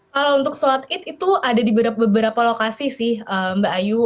kalau untuk sholat id itu ada di beberapa lokasi sih mbak ayu